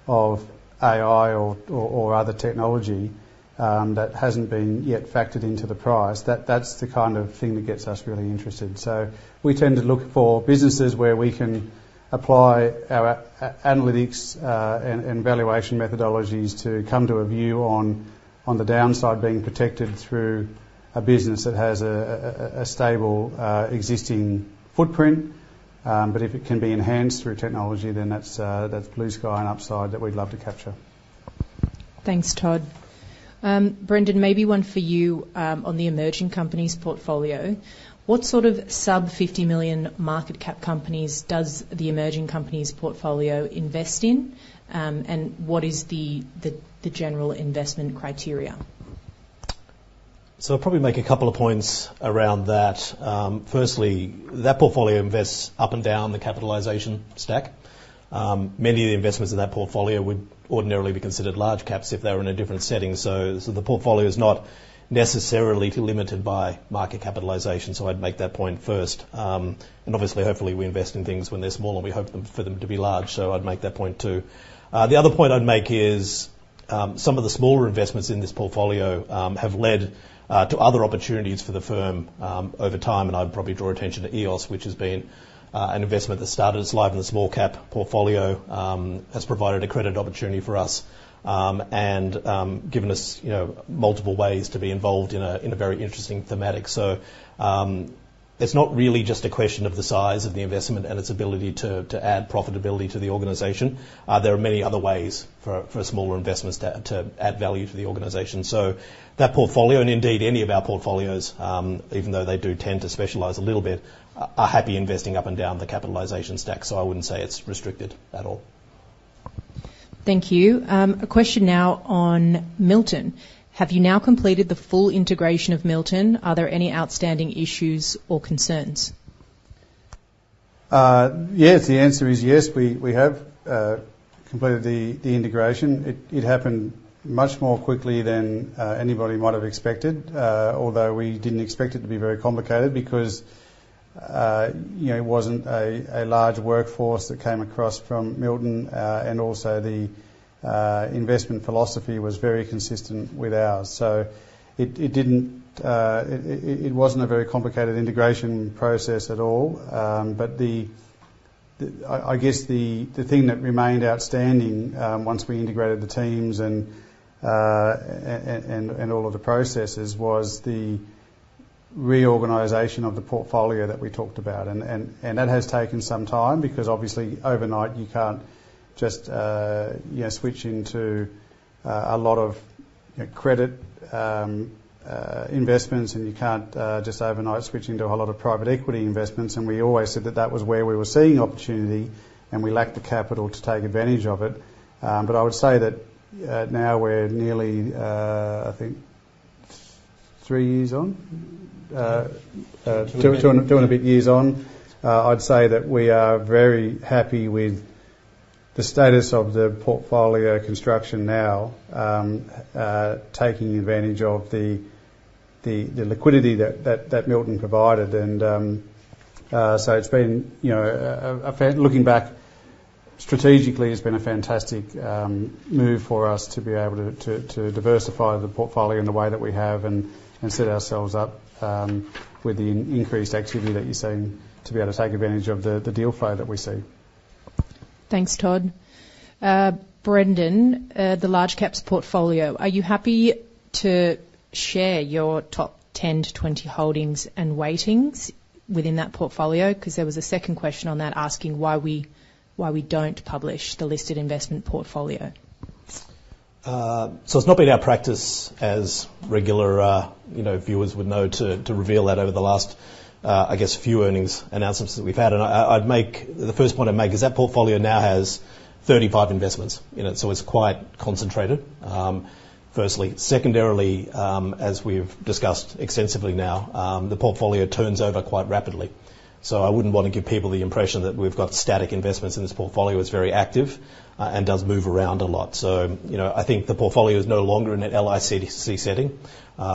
Speaker 2: of AI or other technology that hasn't been yet factored into the price, that's the kind of thing that gets us really interested. So we tend to look for businesses where we can apply our analytics and valuation methodologies to come to a view on the downside, being protected through a business that has a stable existing footprint. But if it can be enhanced through technology, then that's blue sky and upside that we'd love to capture.
Speaker 1: Thanks, Todd. Brendan, maybe one for you, on the emerging companies portfolio. What sort of sub-50 million market cap companies does the emerging companies portfolio invest in? And what is the general investment criteria?
Speaker 4: So I'll probably make a couple of points around that. Firstly, that portfolio invests up and down the capitalization stack. Many of the investments in that portfolio would ordinarily be considered large caps if they were in a different setting. So the portfolio is not necessarily limited by market capitalization. So I'd make that point first. And obviously, hopefully, we invest in things when they're small, and we hope for them to be large, so I'd make that point too. The other point I'd make is, some of the smaller investments in this portfolio have led to other opportunities for the firm over time, and I'd probably draw attention to EOS, which has been an investment that started its life in the small cap portfolio. Has provided a credit opportunity for us, and given us, you know, multiple ways to be involved in a very interesting thematic. So, it's not really just a question of the size of the investment and its ability to add profitability to the organization. There are many other ways for smaller investments to add value to the organization. So that portfolio, and indeed any of our portfolios, even though they do tend to specialize a little bit, are happy investing up and down the capitalization stack. So I wouldn't say it's restricted at all.
Speaker 1: Thank you. A question now on Milton: have you now completed the full integration of Milton? Are there any outstanding issues or concerns?
Speaker 2: Yes. The answer is yes. We have completed the integration. It happened much more quickly than anybody might have expected, although we didn't expect it to be very complicated because, you know, it wasn't a large workforce that came across from Milton. And also, the investment philosophy was very consistent with ours, so it didn't... It wasn't a very complicated integration process at all. But the-- I guess the thing that remained outstanding, once we integrated the teams and all of the processes, was the reorganization of the portfolio that we talked about. And that has taken some time because obviously overnight, you can't just, you know, switch into a lot of, you know, credit investments, and you can't just overnight switch into a whole lot of private equity investments. And we always said that that was where we were seeing opportunity, and we lacked the capital to take advantage of it. But I would say that now we're nearly, I think three years on? Two and a bit years on. I'd say that we are very happy with the status of the portfolio construction now. Taking advantage of the liquidity that Milton provided. And so it's been, you know, a fan... Looking back strategically, it's been a fantastic move for us to be able to diversify the portfolio in the way that we have and set ourselves up with the increased activity that you're seeing, to be able to take advantage of the deal flow that we see.
Speaker 1: Thanks, Todd. Brendan, the large caps portfolio, are you happy to share your top 10 to 20 holdings and weightings within that portfolio? Because there was a second question on that, asking why we don't publish the listed investment portfolio.
Speaker 4: ...So it's not been our practice as regular, you know, viewers would know, to reveal that over the last, I guess, few earnings announcements that we've had. And the first point I'd make is that portfolio now has 35 investments in it, so it's quite concentrated, firstly. Secondarily, as we've discussed extensively now, the portfolio turns over quite rapidly. So I wouldn't want to give people the impression that we've got static investments in this portfolio. It's very active, and does move around a lot. So, you know, I think the portfolio is no longer in an LIC setting,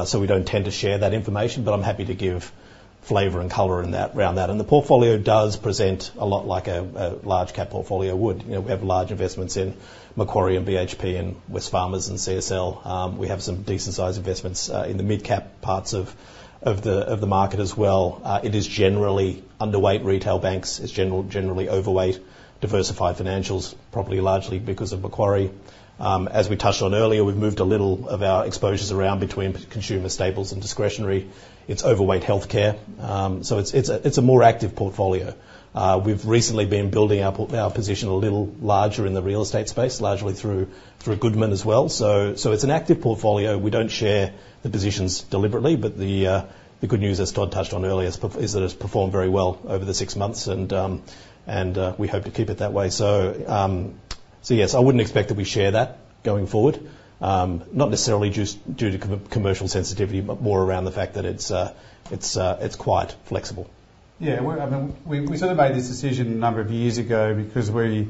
Speaker 4: so we don't tend to share that information, but I'm happy to give flavor and color in that, around that. And the portfolio does present a lot like a large cap portfolio would. You know, we have large investments in Macquarie and BHP and Wesfarmers and CSL. We have some decent sized investments in the mid-cap parts of the market as well. It is generally underweight retail banks. It's generally overweight diversified financials, probably largely because of Macquarie. As we touched on earlier, we've moved a little of our exposures around between consumer staples and discretionary. It's overweight healthcare, so it's a more active portfolio. We've recently been building our position a little larger in the real estate space, largely through Goodman as well. So it's an active portfolio. We don't share the positions deliberately, but the good news, as Todd touched on earlier, is that it's performed very well over the six months, and we hope to keep it that way. So yes, I wouldn't expect that we share that going forward, not necessarily just due to commercial sensitivity, but more around the fact that it's quite flexible.
Speaker 2: Yeah, we're, I mean, we sort of made this decision a number of years ago because we...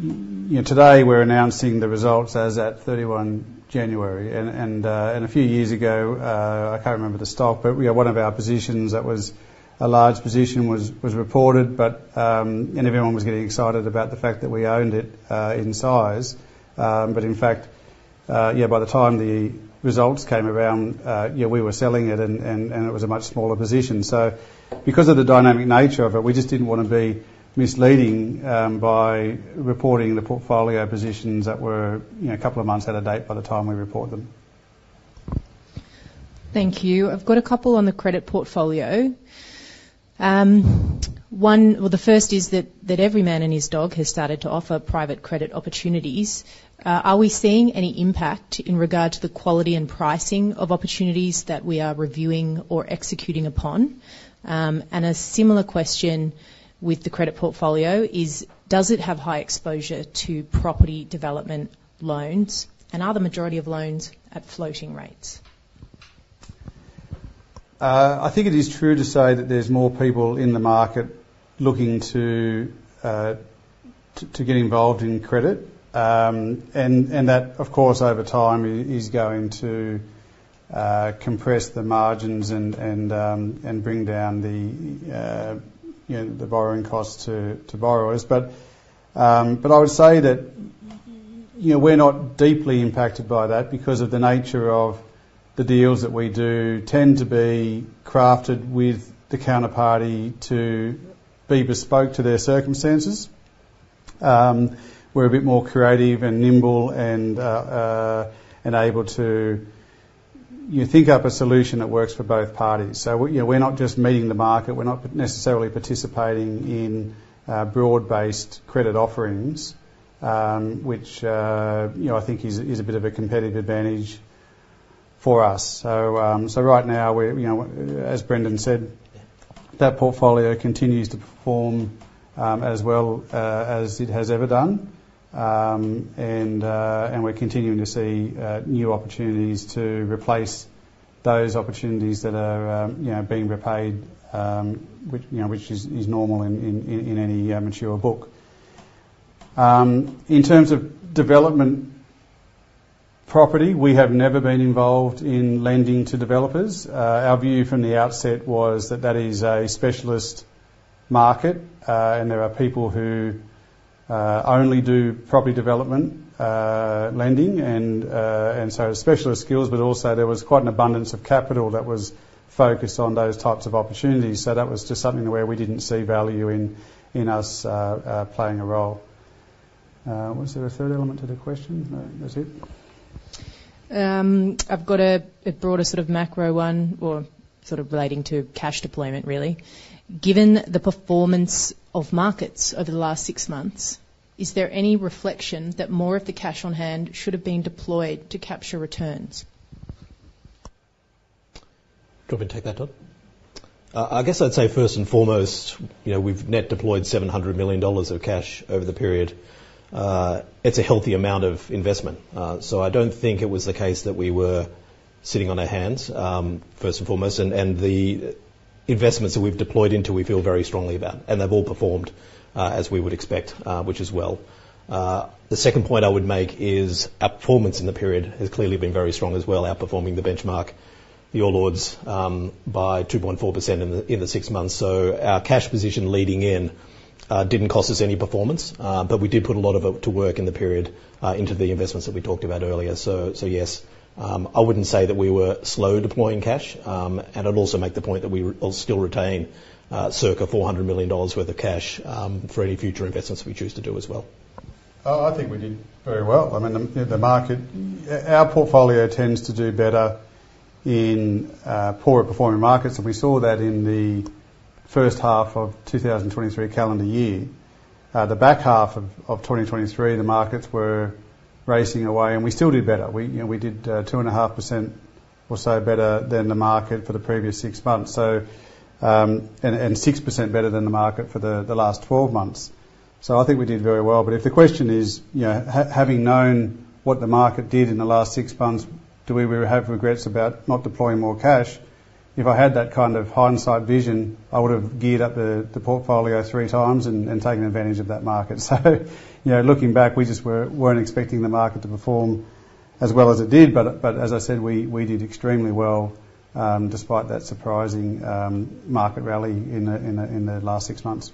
Speaker 2: You know, today, we're announcing the results as at 31 January, and a few years ago, I can't remember the stock, but, yeah, one of our positions that was a large position was reported. But, and everyone was getting excited about the fact that we owned it in size. But in fact, yeah, by the time the results came around, yeah, we were selling it, and it was a much smaller position. So because of the dynamic nature of it, we just didn't want to be misleading by reporting the portfolio positions that were, you know, a couple of months out of date by the time we report them.
Speaker 1: Thank you. I've got a couple on the credit portfolio. The first is that every man and his dog has started to offer private credit opportunities. Are we seeing any impact in regard to the quality and pricing of opportunities that we are reviewing or executing upon? And a similar question with the credit portfolio is: Does it have high exposure to property development loans, and are the majority of loans at floating rates?
Speaker 2: I think it is true to say that there's more people in the market looking to get involved in credit. And that, of course, over time is going to compress the margins and bring down the, you know, the borrowing costs to borrowers. But I would say that, you know, we're not deeply impacted by that because of the nature of the deals that we do tend to be crafted with the counterparty to be bespoke to their circumstances. We're a bit more creative and nimble and able to think up a solution that works for both parties. So we're, you know, we're not just meeting the market. We're not necessarily participating in broad-based credit offerings, which you know, I think is a bit of a competitive advantage for us. So right now, we're you know, as Brendan said, that portfolio continues to perform as well as it has ever done. And we're continuing to see new opportunities to replace those opportunities that are you know, being repaid, which you know, which is normal in any mature book. In terms of development property, we have never been involved in lending to developers. Our view from the outset was that that is a specialist market, and there are people who only do property development, lending, and so specialist skills, but also there was quite an abundance of capital that was focused on those types of opportunities. So that was just something where we didn't see value in us playing a role. Was there a third element to the question? No, that's it.
Speaker 1: I've got a broader sort of macro one, or sort of relating to cash deployment, really. Given the performance of markets over the last six months, is there any reflection that more of the cash on hand should have been deployed to capture returns?
Speaker 4: Do you want me to take that, Todd? I guess I'd say first and foremost, you know, we've net deployed $700 million of cash over the period. It's a healthy amount of investment, so I don't think it was the case that we were sitting on our hands, first and foremost, and, and the investments that we've deployed into, we feel very strongly about, and they've all performed as we would expect, which is well. The second point I would make is our performance in the period has clearly been very strong as well, outperforming the benchmark, the All Ords, by 2.4% in the six months. So our cash position leading in didn't cost us any performance, but we did put a lot of it to work in the period into the investments that we talked about earlier. So, so yes, I wouldn't say that we were slow deploying cash, and I'd also make the point that we still retain circa $400 million worth of cash for any future investments we choose to do as well.
Speaker 2: I think we did very well. I mean, the market, our portfolio tends to do better in poorer performing markets, and we saw that in the first half of 2023 calendar year. The back half of 2023, the markets were racing away, and we still did better. We, you know, we did 2.5% or so better than the market for the previous six months, so, and 6% better than the market for the last 12 months. So I think we did very well, but if the question is, you know, having known what the market did in the last six months, do we really have regrets about not deploying more cash? If I had that kind of hindsight vision, I would have geared up the portfolio three times and taken advantage of that market. So, you know, looking back, we just weren't expecting the market to perform as well as it did, but as I said, we did extremely well despite that surprising market rally in the last six months.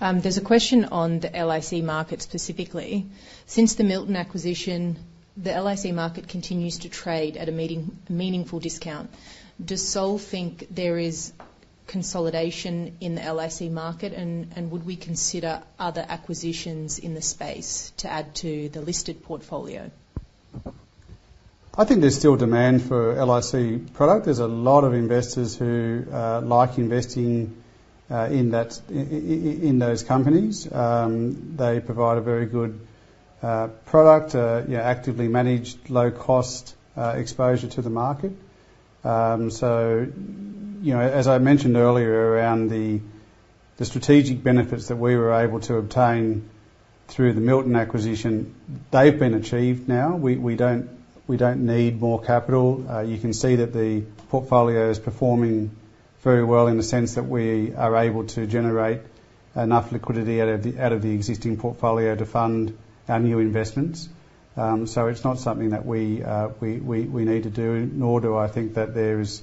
Speaker 1: There's a question on the LIC market specifically. Since the Milton acquisition, the LIC market continues to trade at a meaningful discount. Does Soul think there is consolidation in the LIC market, and, and would we consider other acquisitions in the space to add to the listed portfolio?
Speaker 2: I think there's still demand for LIC product. There's a lot of investors who like investing in that in those companies. They provide a very good product yeah actively managed low-cost exposure to the market. So you know as I mentioned earlier around the strategic benefits that we were able to obtain through the Milton acquisition they've been achieved now. We don't need more capital. You can see that the portfolio is performing very well in the sense that we are able to generate enough liquidity out of the existing portfolio to fund our new investments. So it's not something that we need to do nor do I think that there's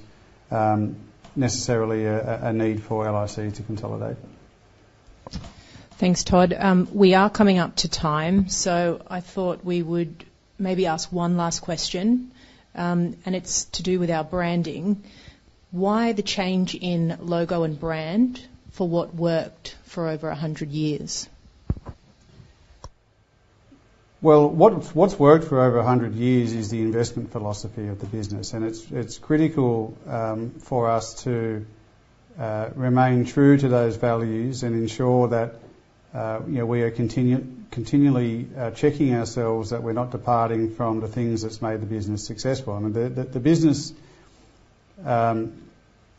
Speaker 2: necessarily a need for LIC to consolidate.
Speaker 1: Thanks, Todd. We are coming up to time, so I thought we would maybe ask one last question, and it's to do with our branding. Why the change in logo and brand for what worked for over a hundred years?
Speaker 2: Well, what's worked for over a hundred years is the investment philosophy of the business, and it's critical for us to remain true to those values and ensure that, you know, we are continually checking ourselves, that we're not departing from the things that's made the business successful. I mean, the business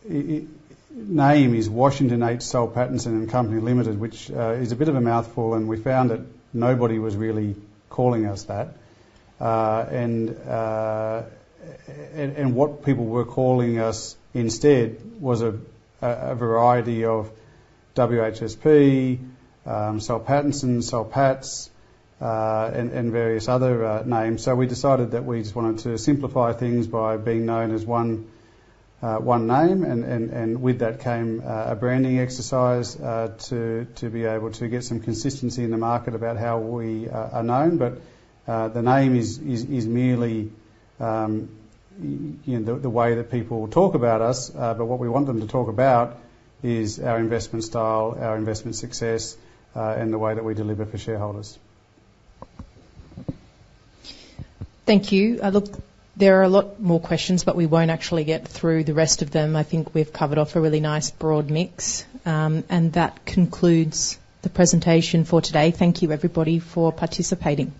Speaker 2: name is Washington H. Soul Pattinson and Company Limited, which is a bit of a mouthful, and we found that nobody was really calling us that. And what people were calling us instead was a variety of WHSP, Soul Pattinson, Soul Patts, and various other names. So we decided that we just wanted to simplify things by being known as one name. And with that came a branding exercise to be able to get some consistency in the market about how we are known. But the name is merely, you know, the way that people talk about us. But what we want them to talk about is our investment style, our investment success, and the way that we deliver for shareholders.
Speaker 1: Thank you. Look, there are a lot more questions, but we won't actually get through the rest of them. I think we've covered off a really nice, broad mix. And that concludes the presentation for today. Thank you, everybody, for participating.